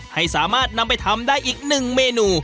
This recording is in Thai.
ให้สามารถนำไปทำได้อีกหนึ่งเมนู